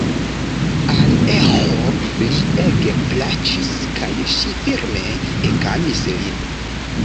Al Eĥo li ege plaĉis kaj ŝi firme ekamis lin.